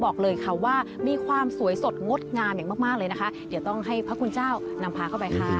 บอกเลยค่ะว่ามีความสวยสดงดงามอย่างมากเลยนะคะเดี๋ยวต้องให้พระคุณเจ้านำพาเข้าไปค่ะ